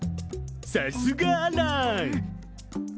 さすがアラン。